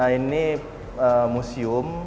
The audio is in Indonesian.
nah ini museum